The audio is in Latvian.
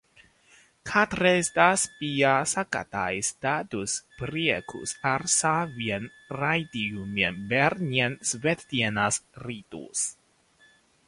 Kādreiz tas bija sagādājis tādus priekus ar saviem raidījumiem bērniem svētdienas rītos.